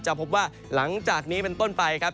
พบว่าหลังจากนี้เป็นต้นไปครับ